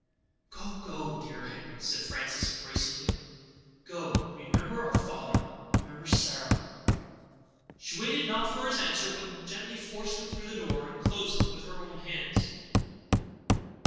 "Go, go, dear Henry," said Frances, embracing him; "go; remember our father; remember Sarah." She waited not for his answer, but gently forced him through the door, and closed it with her own hands.